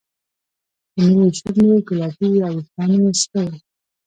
د مینې شونډې ګلابي وې او وېښتان یې سره وو